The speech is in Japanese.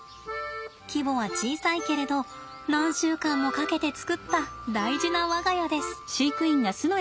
規模は小さいけれど何週間もかけて作った大事な我が家です。